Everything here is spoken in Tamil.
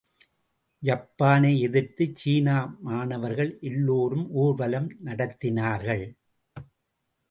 ஜப்பானை எதிர்த்து சீன மாணவர்கள் எல்லோரும் ஊர்வலம் நடத்தினார்கள்.